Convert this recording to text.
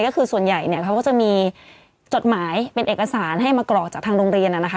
ก็คือส่วนใหญ่เนี่ยเขาก็จะมีจดหมายเป็นเอกสารให้มากรอกจากทางโรงเรียนนะคะ